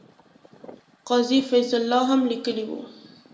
قاضي فیض الله هم لیکلي وو.